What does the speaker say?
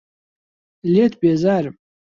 لێت بێزارم.